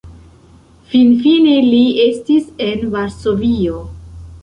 Finfine li estis en Varsovio.